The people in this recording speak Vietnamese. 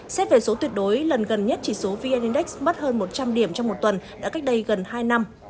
xét về số tuyệt đối lần gần nhất chỉ số vn index mất hơn một trăm linh điểm trong một tuần đã cách đây gần hai năm